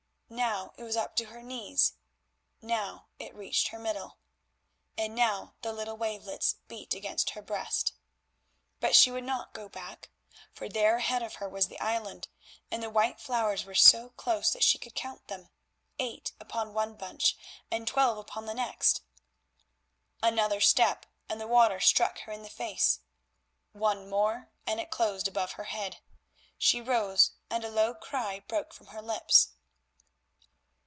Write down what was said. Now it was up to her knees, now it reached her middle, and now the little wavelets beat against her breast. But she would not go back, for there ahead of her was the island, and the white flowers were so close that she could count them, eight upon one bunch and twelve upon the next. Another step and the water struck her in the face, one more and it closed above her head. She rose, and a low cry broke from her lips.